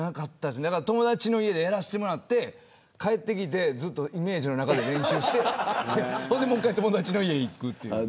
だから友達の家でやらせてもらって帰ってきてイメージの中で練習してもう１回行くという。